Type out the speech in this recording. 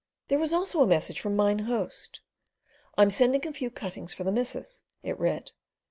There was also a message from Mine Host. "I'm sending a few cuttings for the missus," it read.